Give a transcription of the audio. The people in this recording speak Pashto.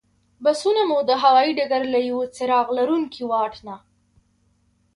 بسونه مو د هوایي ډګر له یوه څراغ لرونکي واټ نه.